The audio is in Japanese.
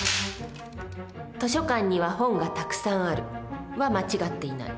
「図書館には本がたくさん有る」は間違っていない。